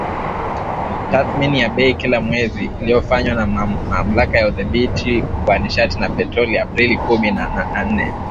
tathmini ya bei kila mwezi inayofanywa na Mamlaka ya Udhibiti wa Nishati na Petroli Aprili kumi na nne